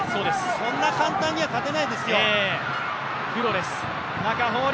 そんな簡単には勝てないですよ。